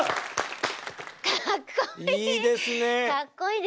かっこいい。